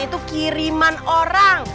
itu kiriman orang